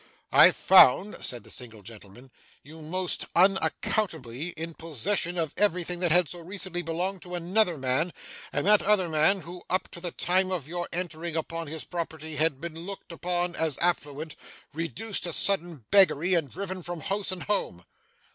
'I found,' said the single gentleman, 'you most unaccountably, in possession of everything that had so recently belonged to another man, and that other man, who up to the time of your entering upon his property had been looked upon as affluent, reduced to sudden beggary, and driven from house and home.